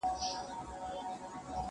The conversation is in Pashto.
• عِلم حاصلېږي مدرسو او مکتبونو کي..